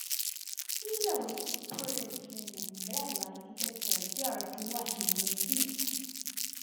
Louis, por el renombrado arquitecto George Washington Smith.